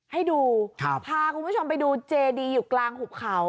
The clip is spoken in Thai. ให้ดูพาคุณผู้ชมไปดูเจดีอยู่กลางหุบเขา